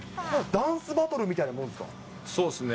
ダンスバトルみたいなものでそうですね。